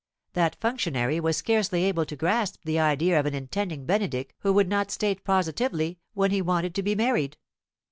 That functionary was scarcely able to grasp the idea of an intending Benedick who would not state positively when he wanted to be married.